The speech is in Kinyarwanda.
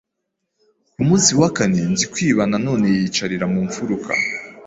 Ku munsi wa kane, Nzikwiba na none yiyicarira mu mfuruka,